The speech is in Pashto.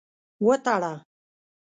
وتړه.